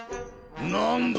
何だ？